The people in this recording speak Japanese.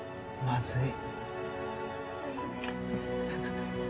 まずい